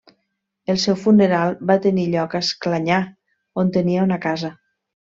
El seu funeral va tenir lloc a Esclanyà, on tenia una casa.